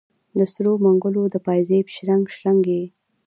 د سرو منګولو د پایزیب شرنګ، شرنګ یې